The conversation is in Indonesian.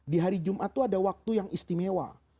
di hari jumat itu ada waktu yang istimewa